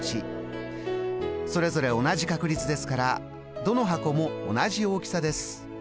それぞれ同じ確率ですからどの箱も同じ大きさです。